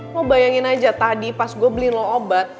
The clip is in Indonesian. lo bayangin aja tadi pas gue beliin lo obat